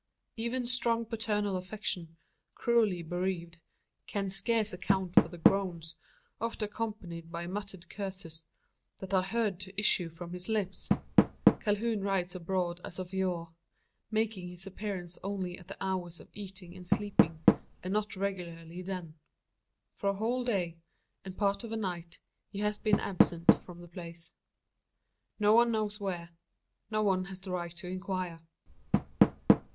Even strong paternal affection, cruelly bereaved, can scarce account for the groans, oft accompanied by muttered curses, that are heard to issue from his lips! Calhoun rides abroad as of yore; making his appearance only at the hours of eating and sleeping, and not regularly then. For a whole day, and part of a night, he has been absent from the place. No one knows where; no one has the right to inquire.